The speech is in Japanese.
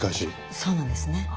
そうなんですね。